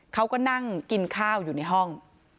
เขาก็นั่งกินข้าวอยู่ในห้อง